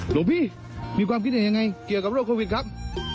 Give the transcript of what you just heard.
หลวงพี่มีความคิดเห็นยังไงเกี่ยวกับโรคโควิดครับ